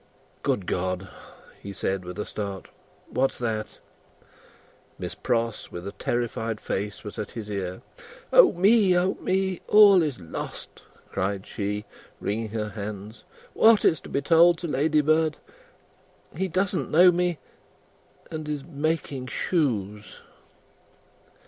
"Good God!" he said, with a start. "What's that?" Miss Pross, with a terrified face, was at his ear. "O me, O me! All is lost!" cried she, wringing her hands. "What is to be told to Ladybird? He doesn't know me, and is making shoes!"